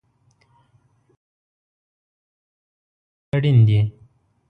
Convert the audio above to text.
د غړو تر منځ همکاري او همغږي اړین دی.